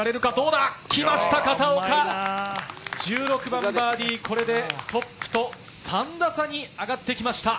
１６番バーディー、これでトップと３打差に上がってきました。